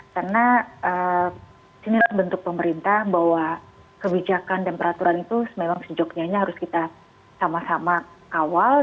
karena ini adalah bentuk pemerintah bahwa kebijakan dan peraturan itu memang sejognyanya harus kita sama sama kawal